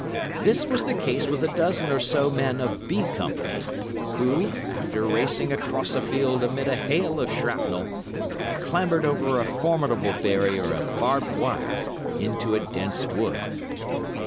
This was the case with a dozen or so men of B Company, who, after racing across a field amid a hail of shrapnel, had clambered over a formidable barrier of barbed wire into a dense wood.